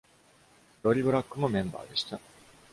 Lori Black もメンバーでした。